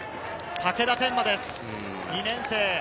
竹田天馬です、２年生。